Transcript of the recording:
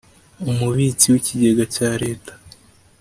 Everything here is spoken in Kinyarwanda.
Umubitsi w Ikigega cya Leta